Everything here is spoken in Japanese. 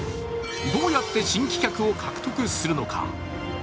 どうやって新規客を獲得するのか。